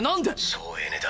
省エネだ。